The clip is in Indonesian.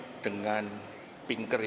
itu itu pun nggak di nirakan oleh beings saliva